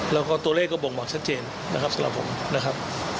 แล้วก็ตัวเลขก็บ่งบอกชัดเจนนะครับสำหรับผมนะครับ